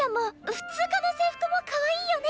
普通科の制服もかわいいよね！